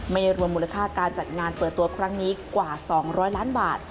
รวมมูลค่าการจัดงานเปิดตัวครั้งนี้กว่า๒๐๐ล้านบาท